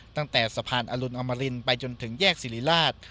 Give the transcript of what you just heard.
ตั้งแต่สะพานอรุณอมรินไปจนถึงแยกสิริราช